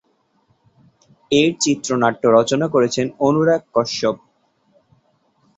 এর চিত্রনাট্য রচনা করেছেন অনুরাগ কশ্যপ।